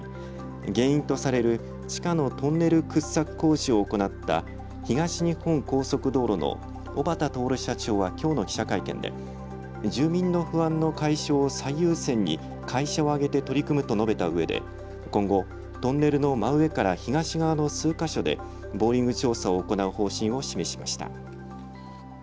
原因とされる地下のトンネル掘削工事を行った東日本高速道路の小畠徹社長はきょうの記者会見で住民の不安の解消を最優先に会社を挙げて取り組むと述べたうえで今後、トンネルの真上から東側の数か所でボーリング調査を行う方針を示しました。